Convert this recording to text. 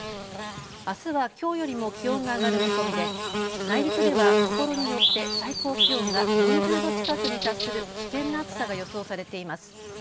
あすは、きょうよりも気温が上がる見込みで内陸ではところによって最高気温が４０度近くに達する危険な暑さが予想されています。